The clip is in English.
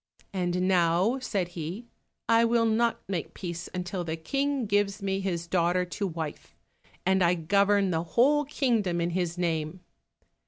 "And now," said he, "I will not make peace until the King gives me his daughter to wife, and I govern the whole kingdom in his name."